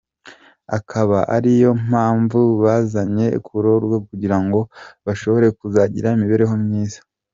Akaba ariyo mpamvu bazanywe kugororwa kugira ngo bashobore kuzagira imibereho myiza.